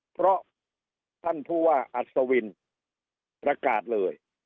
เพราะท่านผู้ว่าอัศวินประกาศเลย